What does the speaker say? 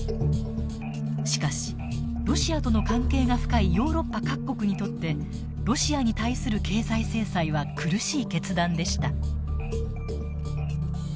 しかしロシアとの関係が深いヨーロッパ各国にとってロシアに対する経済制裁は苦しい決断でした。